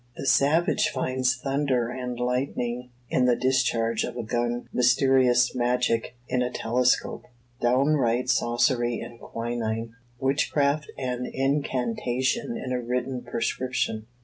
The savage finds thunder and lightning in the discharge of a gun; mysterious magic in a telescope; downright sorcery in quinine; witchcraft and incantation in a written prescription.